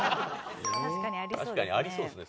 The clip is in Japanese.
確かにありそうですね